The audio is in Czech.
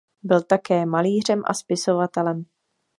Byl také malířem a spisovatelem.